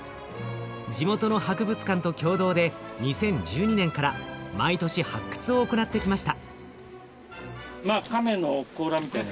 地元の博物館と共同で２０１２年から毎年発掘を行ってきました。